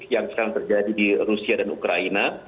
yang sekarang terjadi di rusia dan ukraina